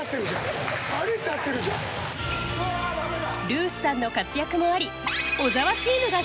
ルースさんの活躍もありもう足が。